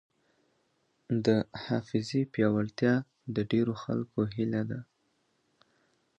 د حافظې پیاوړتیا د ډېرو خلکو هیله ده.